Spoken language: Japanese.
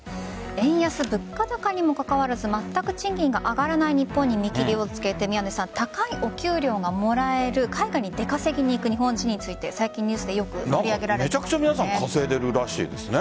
円安、物価高にもかかわらずまったく賃金が上がらない日本に見切りをつけて高いお給料がもらえる海外に出稼ぎに行く日本人について最近ニュースでよく取り上げられていますよね。